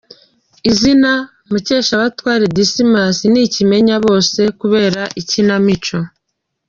Izina Mukeshabatware Dismas ni ikimenyabose kubera ikinamico.